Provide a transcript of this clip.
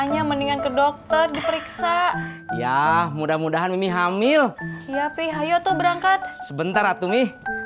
jadi gak usah pukuli